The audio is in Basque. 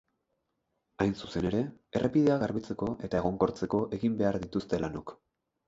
Hain zuzen ere, errepidea garbitzeko eta egonkortzeko egin behar dituzte lanok.